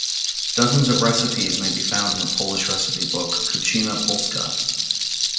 Dozens of recipes may be found in the Polish recipe book, "Kuchnia Polska".